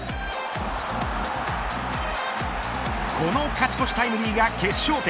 この勝ち越しタイムリーが決勝点。